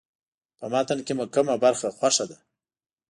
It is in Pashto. په متن کې مو کومه برخه خوښه ده.